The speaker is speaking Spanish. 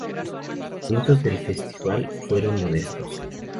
Los comienzos del Festival fueron modestos.